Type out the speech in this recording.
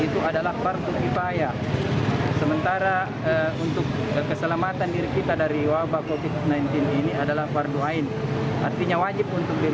nah sementara menyelamatkan diri dari wabah ini adalah wajib